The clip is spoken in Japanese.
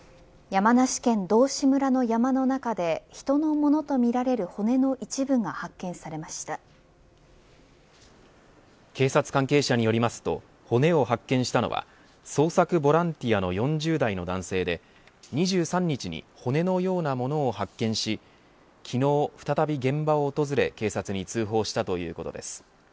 山梨県道志村の山の中で人のものとみられる警察関係者によりますと骨を発見したのは捜索ボランティアの４０代の男性で２３日に骨のようなものを発見し昨日再び現場を訪れ警察に通報したということです。